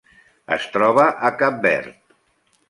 Es troba a Cap Verd.